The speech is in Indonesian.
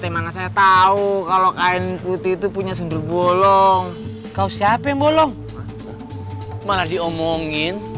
mana saya tahu kalau kain putih itu punya sendor bolong kau siap embolong malah diomongin